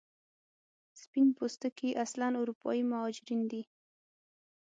سپین پوستکي اصلا اروپایي مهاجرین دي.